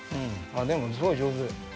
でもすごい上手。